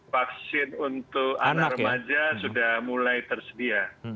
vaksin untuk anak remaja sudah mulai tersedia